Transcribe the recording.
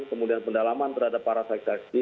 kemudian pendalaman terhadap para saksi saksi